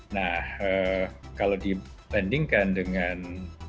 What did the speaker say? nah kalau dibandingkan dengan